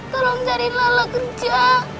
tolong cari lala kerja